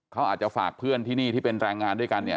เขาอาจจะฝากเพื่อนที่นี่ที่เป็นแรงงานด้วยกันเนี่ย